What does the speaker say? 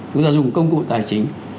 chúng ta dùng công cụ tài chính